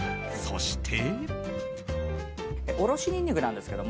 そして。